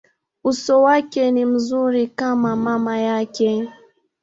Uso wake ni mzuri kama mama yake.